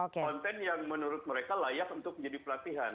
konten yang menurut mereka layak untuk menjadi pelatihan